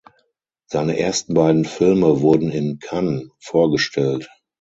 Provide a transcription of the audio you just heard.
Seine ersten beiden Filme wurden in Cannes vorgestellt.